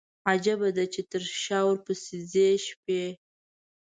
عجيبه ده، چې تر شا ورپسي ځي شپي